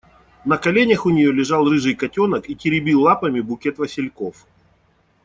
На коленях у нее лежал рыжий котенок и теребил лапами букет васильков.